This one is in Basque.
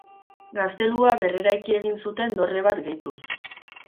Gaztelua berreraiki egin zuten dorre bat gehituz.